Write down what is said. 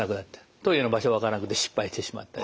トイレの場所がわからなくて失敗してしまったり。